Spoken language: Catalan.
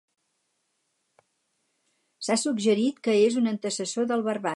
S'ha suggerit que és un antecessor del barbat.